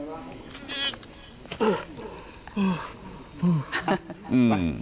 ขึ้น